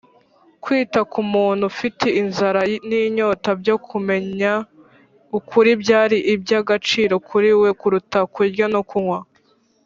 Kwita ku muntu ufite inzara n’inyota byo kumenya ukuri byari iby’agaciro kuri we kuruta kurya no kunywa